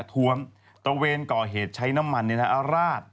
ทวมตระเวนก่อเหตุใช้น้ำมันเนี้ยน่ะอราส